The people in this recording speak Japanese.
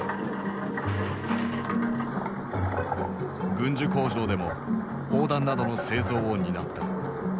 軍需工場でも砲弾などの製造を担った。